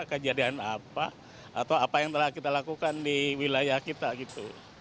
kejadian apa atau apa yang telah kita lakukan di wilayah kita gitu